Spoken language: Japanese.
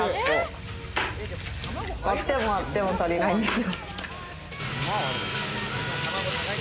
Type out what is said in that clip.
割っても割っても足りないですよ。